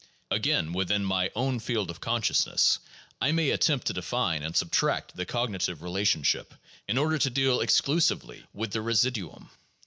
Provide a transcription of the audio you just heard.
Again, within my own field of consciousness, I may attempt to define and subtract the cognitive relationship, in order to deal exclu sively with the residuum.